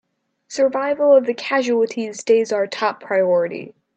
Survival of the casualties stays our top priority!